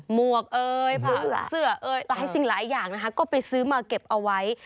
หวกเอ่ยผ้าเสื้อเอ่ยหลายสิ่งหลายอย่างนะคะก็ไปซื้อมาเก็บเอาไว้